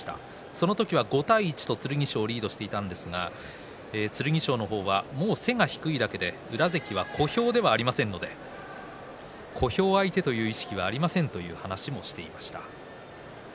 そのころは５対１と剣翔がリードしていたんですが剣翔の方は、もう背が低いだけで宇良関は小兵ではありませんので小兵相手という意識はありませんという話をしていました。